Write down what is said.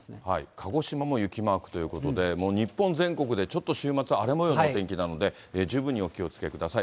鹿児島も雪マークということで、もう日本全国でちょっと週末、荒れもようのお天気なので、十分にお気をつけください。